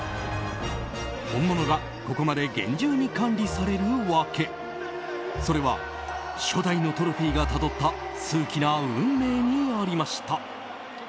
本物がここまで厳重に管理される訳それは初代のトロフィーがたどった数奇な運命にありました。